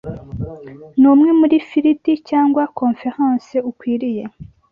n’umwe muri Filidi cyangwa Konferanse ukwiriye